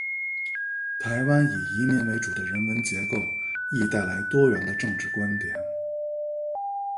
台湾以移民为主的人文结构，亦带来多元的政治观点。